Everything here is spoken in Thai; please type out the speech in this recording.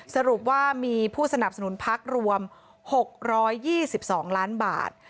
สรุปว่ามีผู้สนับสนุนพักรวม๖๒๒ล้านบาท